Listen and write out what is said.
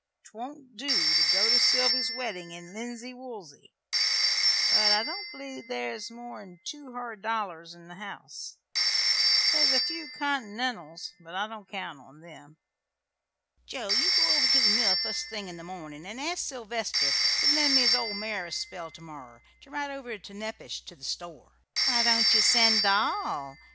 'Twon't do to go to Sylvy's weddin' in linsey woolsy; but I don't believe there's more'n two hard dollars in the house. There's a few Continentals; but I don't count on them. Joe, you go over to the mill fust thing in the morning and ask Sylvester to lend me his old mare a spell to morrer, to ride over to Nepash, to the store." "Why don't ye send Doll?"